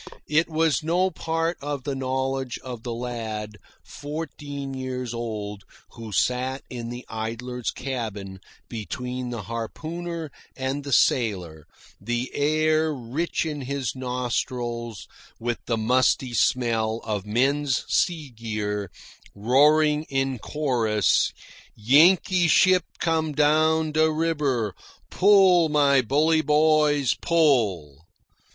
It was no part of the knowledge of the lad, fourteen years old, who sat in the Idler's cabin between the harpooner and the sailor, the air rich in his nostrils with the musty smell of men's sea gear, roaring in chorus: "Yankee ship come down de ribber pull, my bully boys, pull!"